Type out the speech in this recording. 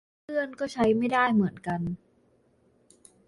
เพื่อนก็ใช้ไม่ได้เหมือนกัน